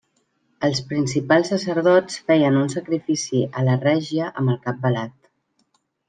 Els principals sacerdots feien un sacrifici a la Règia amb el cap velat.